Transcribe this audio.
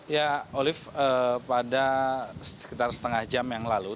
ya olive pada sekitar setengah jam yang lalu